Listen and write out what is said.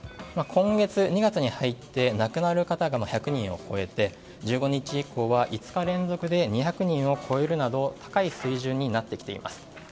今月、２月に入って亡くなる方が１００人を超えて１５日以降は５日連続で２００人を超えるなど高い水準になってきています。